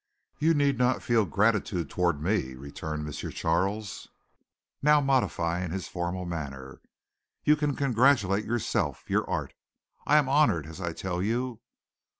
"You need not feel gratitude toward me," returned M. Charles, now modifying his formal manner. "You can congratulate yourself your art. I am honored, as I tell you.